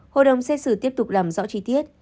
hội đồng xét xử tiếp tục làm rõ chi tiết